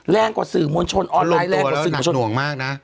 แลกกว่าสื่อมลชนเขาลงตัวแล้วกูหนักหน่วงมากนะ